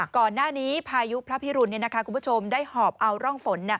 ก่อนหน้านี้พายุพระพิรุนคุณผู้ชมได้หอบเอาร่องฝน